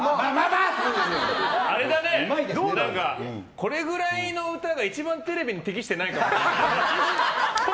これぐらいの歌が一番テレビに適していないかもな。